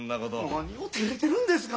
何をてれてるんですか。